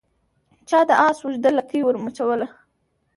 چا د آس اوږده لکۍ ور مچوله